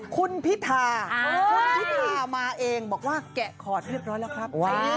คุณพิทามาเองบอกว่าแกะคอดเรียบร้อยแล้วครับ